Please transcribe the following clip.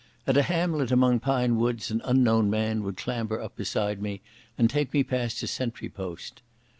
At a hamlet among pine woods an unknown man would clamber up beside me and take me past a sentry post.